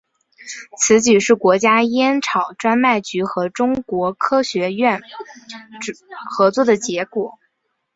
此举是国家烟草专卖局和中国科学院合作的结果。